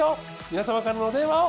皆様からのお電話を。